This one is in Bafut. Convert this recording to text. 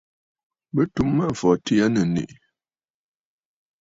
Bɨ tum Mâmfɔtì aa nɨ̀ nèʼè.